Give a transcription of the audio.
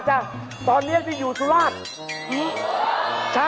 จ้ะตอนนี้ที่อยู่สุราช